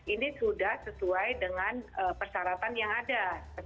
ini sudah sesuai dengan persyaratan yang ada